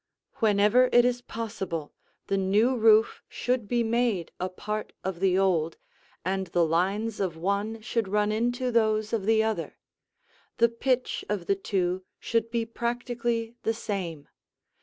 Whenever it is possible, the new roof should be made a part of the old, and the lines of one should run into those of the other. The pitch of the two should be practically the same.